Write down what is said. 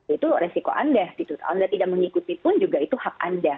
itu resiko anda anda tidak mengikuti pun juga itu hak anda